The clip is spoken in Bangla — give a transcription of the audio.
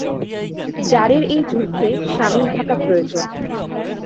জারের এই যুদ্ধে শামিল থাকা প্রয়োজন।